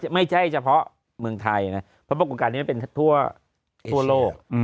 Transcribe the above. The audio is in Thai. ไม่ใช่เฉพาะเมืองไทยนะเพราะปรากฏการณ์นี้มันเป็นทั่วโลก